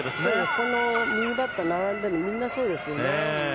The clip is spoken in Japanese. この右バッター並んでいるのみんなそうですよ。